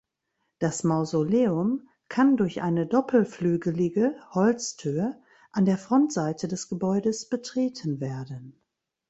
Das Mausoleum kann durch eine doppelflügelige Holztür an der Frontseite des Gebäudes betreten werden.